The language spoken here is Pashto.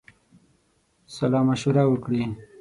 سالامشوره وکړي.